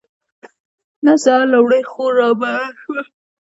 نن سهار لومړۍ خور رابره شوه.